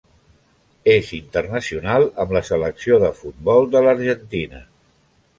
És internacional amb la selecció de futbol de l'Argentina.